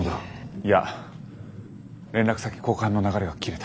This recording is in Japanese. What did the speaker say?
いや連絡先交換の流れが切れた。